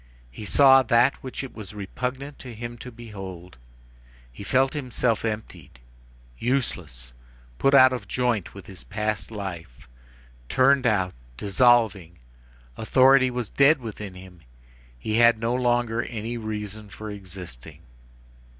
He saw that which it was repugnant to him to behold. He felt himself emptied, useless, put out of joint with his past life, turned out, dissolved. Authority was dead within him. He had no longer any reason for existing.